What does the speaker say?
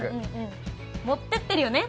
持ってってるよね？